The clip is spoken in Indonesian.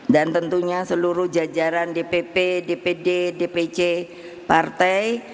dan tentunya seluruh jajaran dpp dpd dpc partai